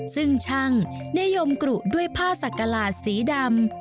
ซึ่งช่างนิยมกรุด้วยผ้าสักกระหลาดสีดำ